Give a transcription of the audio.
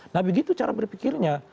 nah begitu cara berpikirnya